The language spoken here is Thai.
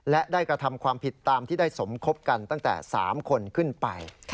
และได้กระทำความผิดตามที่ได้สมคบกันตั้งแต่๓คนขึ้นไป